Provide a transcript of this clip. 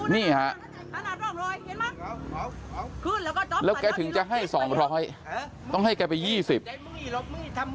นี่ฮะแล้วแกถึงจะให้๒๐๐ต้องให้แกไป๒๐